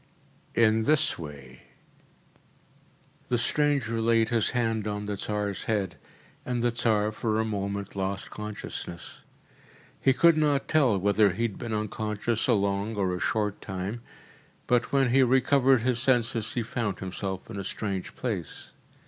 “In this way.‚ÄĚ The stranger laid his hand on the Tsar’s head, and the Tsar for a moment lost consciousness. He could not tell whether he had been unconscious a long or a short time, but when he recovered his senses he found himself in a strange place.